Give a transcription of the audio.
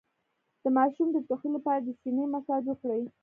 د ماشوم د ټوخي لپاره د سینه مساج وکړئ